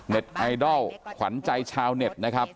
ไอดอลขวัญใจชาวเน็ตนะครับ